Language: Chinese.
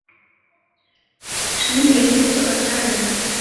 陈铭枢客家人。